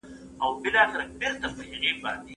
تاسو باید پر خپلو کړو ژمنو ولاړ اوسئ.